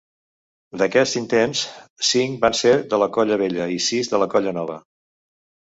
D'aquests intents cinc van ser de la Colla Vella i sis de la Colla Nova.